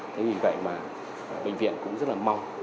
thế vì vậy mà bệnh viện cũng rất là mong